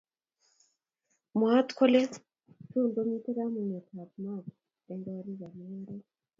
Mwaat kole tun ko mitei kamunget ab mat eng korik ab mungaret